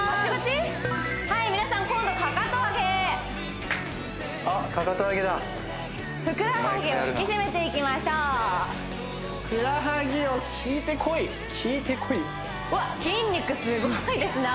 はい皆さん今度かかと上げふくらはぎを引き締めていきましょうふくらはぎよ効いてこい効いてこいですね